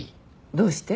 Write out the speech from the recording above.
どうして？